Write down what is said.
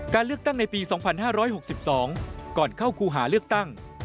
การเลือกตั้งในปี๒๕๖๒ก่อนเข้าคู่หาเลือกตั้ง